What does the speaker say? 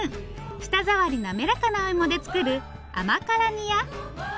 舌触りなめらかなおいもで作る甘辛煮や。